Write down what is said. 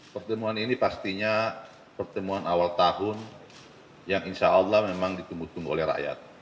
pertemuan ini pastinya pertemuan awal tahun yang insya allah memang ditunggu tunggu oleh rakyat